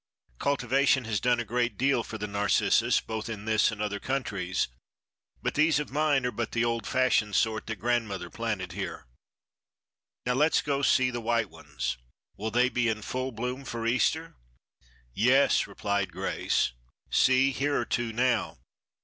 Cultivation has done a great deal for the Narcissus, both in this and other countries, but these of mine are but the old fashioned sort that grandmother planted here. Now let's go see the white ones. Will they be in full bloom for Easter?" "Yes," replied Grace. "See, here are two now.